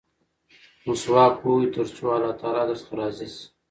مسواک ووهئ ترڅو الله تعالی درڅخه راضي شي.